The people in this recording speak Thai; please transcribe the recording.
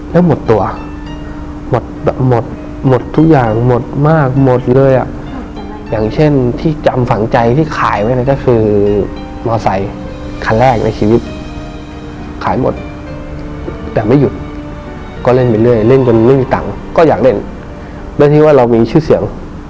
แล้วหมดตัวหมดแบบหมดทุกอย่างหมดมากหมดเหล่ย